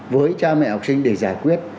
với cha mẹ học sinh để giải quyết